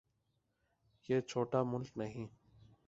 یہ چھوٹا ملک نہیں۔